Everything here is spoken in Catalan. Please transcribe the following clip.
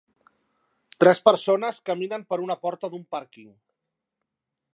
Tres persones caminen per una porta d'un pàrquing.